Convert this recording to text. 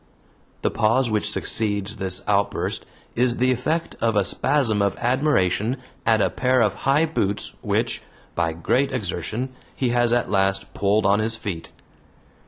The pause which succeeds this outburst is the effect of a spasm of admiration at a pair of high boots, which, by great exertion, he has at last pulled on his feet.